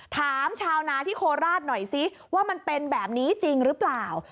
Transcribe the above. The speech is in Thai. ชาวนาที่โคราชหน่อยซิว่ามันเป็นแบบนี้จริงหรือเปล่า